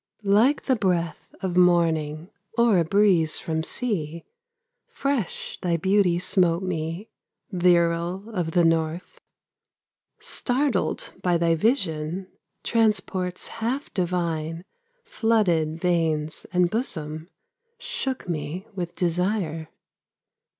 Like the breath of morning Or a breeze from sea, Fresh thy beauty smote me, Virile of the north. Startled by thy vision, Transports half divine Flooded veins and bosom, Shook me with desire.